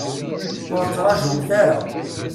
Ur ttraǧumt ara.